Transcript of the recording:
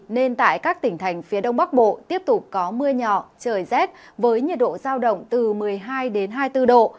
nên tại các tỉnh thành phía đông bắc bộ tiếp tục có mưa nhỏ trời rét với nhiệt độ giao động từ một mươi hai đến hai mươi bốn độ